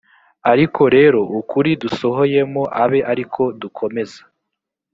ariko rero ukuri dusohoyemo abe ari ko dukomeza